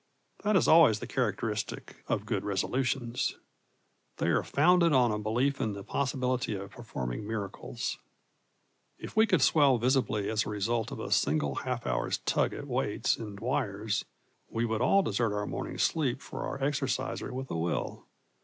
That is always the characteristic of good resolutions. They are founded on a belief in the possibility of performing miracles. If we could swell visibly as a result of a single half hour's tug at weights and wires, we would all desert our morning's sleep for our exerciser with a will.